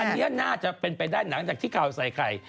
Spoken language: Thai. อันนี้น่าจะเป็นไปได้หลังจากที่ข่าวใส่ไข่